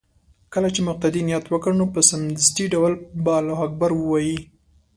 كله چې مقتدي نيت وكړ نو په سمدستي ډول به الله اكبر ووايي